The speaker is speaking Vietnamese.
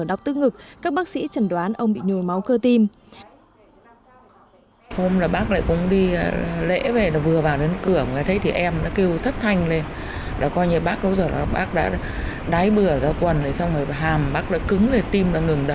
đọc tức ngực các bác sĩ chẩn đoán ông bị nhồi máu cơ tim